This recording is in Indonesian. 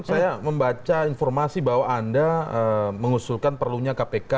saya membaca informasi bahwa anda mengusulkan perlunya kpk